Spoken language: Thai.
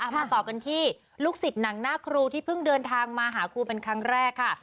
มาต่อกันที่ลูกศิษย์หนังหน้าครูที่เพิ่งเดินทางมาหาครูเป็นครั้งแรกค่ะ